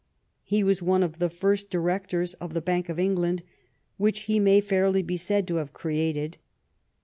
He was one of the first directors of that Bank of England which he may fairly be said to have created.